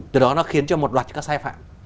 từ đó nó khiến cho một loạt các sai phạm